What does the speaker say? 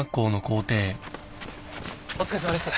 お疲れさまです。